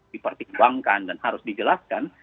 dipertimbangkan dan harus dijelaskan